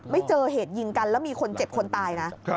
ไม่เจอเหตุยิงกันแล้วมีคนเจ็บคนตายนะ